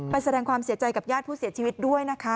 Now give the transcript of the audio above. แสดงความเสียใจกับญาติผู้เสียชีวิตด้วยนะคะ